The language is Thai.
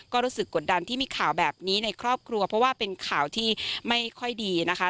ก็รู้สึกกดดันที่มีข่าวแบบนี้ในครอบครัวเพราะว่าเป็นข่าวที่ไม่ค่อยดีนะคะ